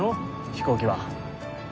飛行機は。